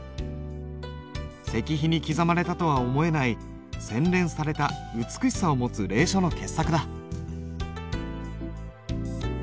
石碑に刻まれたとは思えない洗練された美しさを持つ隷書の傑作だ。